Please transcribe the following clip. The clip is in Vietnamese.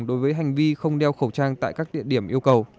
đối với hành vi không đeo khẩu trang tại các địa điểm yêu cầu